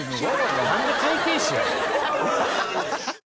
なんで会計士やねん。